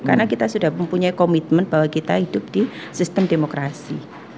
karena kita sudah mempunyai komitmen bahwa kita hidup di sistem demokrasi